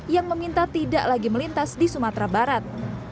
yang meminta tidak lagi melintas di sumatera barat